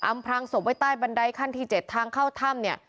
พลังศพไว้ใต้บันไดขั้นที่๗ทางเข้าถ้ำเนี่ย